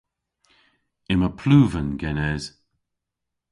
Yma pluven genes.